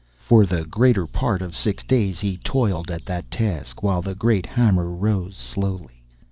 For the greater part of six days he toiled at that task, while the great hammer rose slowly.